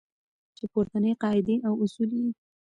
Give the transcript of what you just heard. چې پورتنۍ قاعدې او اصول یې